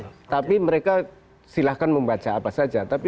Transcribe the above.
iya tapi mereka silakan membaca apa saja tapi